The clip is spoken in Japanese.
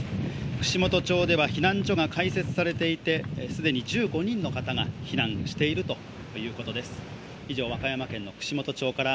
串本町では避難所が開設されていて既に１５人の方が避難しているということです。